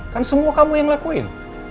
kan semua kamu yang lakuin